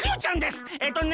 えっとね